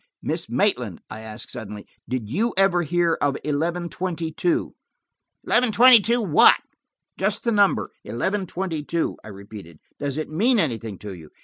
"Miss Maitland," I asked suddenly, "did you ever hear of eleven twenty two?" "Eleven twenty two what?" "Just the number, eleven twenty two," I repeated. "Does it mean anything to you?